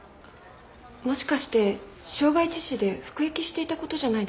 もしかして傷害致死で服役していた事じゃないでしょうか？